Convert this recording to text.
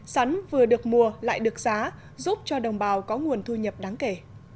sắn vừa được mùa lại được giá giúp cho đồng bào có nguồn thu nhập đáng kể